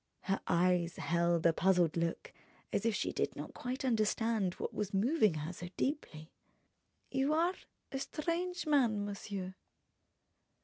Her eyes held a puzzled look, as if she did not quite understand what was moving her so deeply. "You are a strange man, monsieur...."